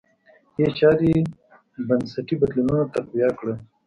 دې چارې بنسټي بدلونونه تقویه کړل.